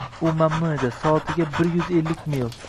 U mamnun edi. Soatiga bir yuz ellik mil!